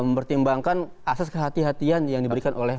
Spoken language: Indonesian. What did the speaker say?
gak mempertimbangkan asas kehatian yang diberikan oleh